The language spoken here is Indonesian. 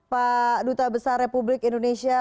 pak duta besar republik indonesia